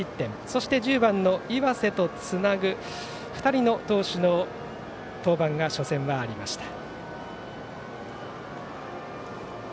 そして、１０番の岩瀬とつなぐ２人の投手の登板が初戦はありました。